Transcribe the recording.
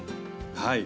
はい。